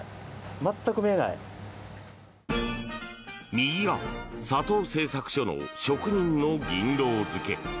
右が佐藤製作所の職人の銀ロウ付け。